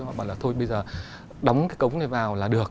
họ bảo là thôi bây giờ đóng cái cổng này vào là được